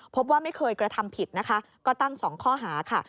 พบว่าไม่เคยกระทำผิดนะคะก็ตั้ง๒ข้อหาค่ะ